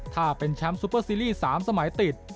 ถ้าเป็นแชมป์ซูเปอร์ซีรีส์๓สมัยติด